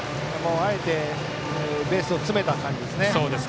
あえてベースを詰めた感じですね。